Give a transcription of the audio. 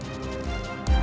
kau tidak bisa mencari hamba